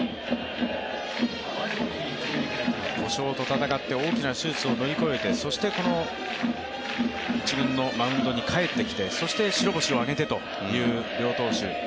故障と闘って大きな手術を乗り越えて、そしてこの１軍のマウンドに帰ってきてそして白星を挙げてという両投手。